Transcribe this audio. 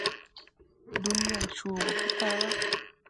Dunyan coo gɔ patala.